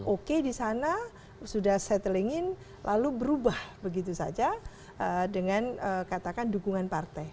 oke di sana sudah settling in lalu berubah begitu saja dengan katakan dukungan partai